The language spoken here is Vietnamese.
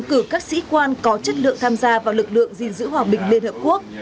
cử các sĩ quan có chất lượng tham gia vào lực lượng gìn giữ hòa bình liên hợp quốc